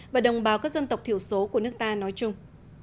và đồng bào các dân tộc thiểu số của nước ta nói chung